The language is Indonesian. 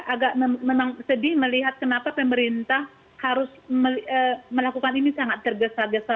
agak memang sedih melihat kenapa pemerintah harus melakukan ini sangat tergesa gesa